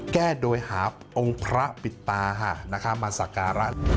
แก้โดยหาองค์พระปิดตามาสักการะ